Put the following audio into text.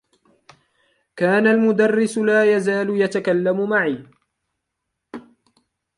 كان المدرّس لا يزال يتكلّم معي.